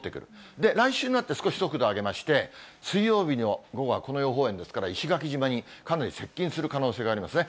で、来週になって、少し速度上げまして、水曜日の午後はこの予報円ですから、石垣島にかなり接近する可能性がありますね。